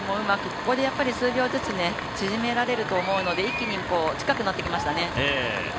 ここで数秒ずつ縮められていくと思うので一気に近くなってきましたね。